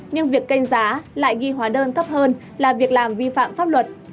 nhưng việc canh giá lại ghi hóa đơn thấp hơn là việc làm vi phạm pháp luật